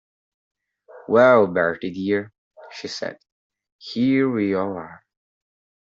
"Well, Bertie, dear," she said, "here we all are."